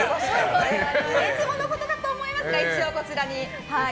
いつものことだと思いますが一応こちらに。